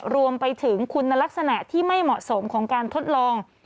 รวมไปถึงคุณลักษณะที่ไม่เหมาะสมของการทดลอง